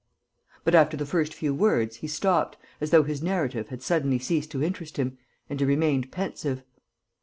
[G] But, after the first few words, he stopped, as though his narrative had suddenly ceased to interest him, and he remained pensive.